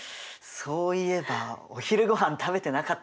そういえばお昼ごはん食べてなかったんだった。